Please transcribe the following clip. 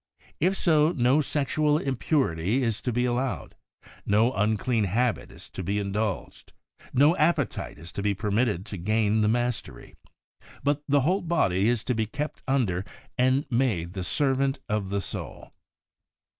If so, no sexual impurity is to be allowed, no unclean habit is to be in dulged, no appetite is to be permitted to gain the mastery, but the whole body is to be kept under and made the servant of the soul.